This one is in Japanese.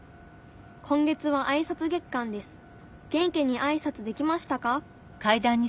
今月はあいさつ月間です。